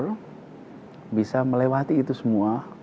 harus bisa melewati itu semua